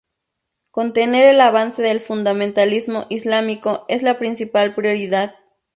Contener el avance del fundamentalismo islámico es la principal prioridad.